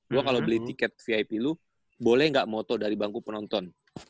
gua kalo beli tiket vip lu boleh ga moto dari bangku penonton